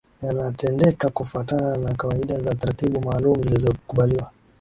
Yanatendeka kufuatana na kawaida na taratibu maalumu zilizokubaliwa